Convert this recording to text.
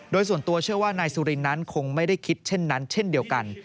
โดยส่วนตัวเชื่อว่านายสุรินนั้นคงไม่ได้คิดเช่นนั้นเช่นเดียวกัน